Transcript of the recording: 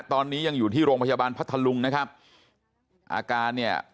ตอนนี้ยังอยู่ที่โรงพยาบาลพัทธลุงนะครับอาการเนี่ย